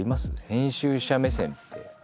編集者目線って。